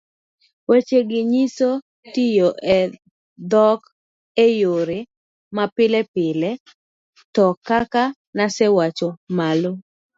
wechegi nyiso tiyo e dhok e yore mapilepile to kaka nasewacho malo,